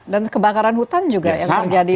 dan kebakaran hutan juga yang terjadi